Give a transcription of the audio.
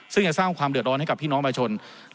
ซึ่งจะสร้างความเดือดร้อนให้กับพี่น้องประชาชน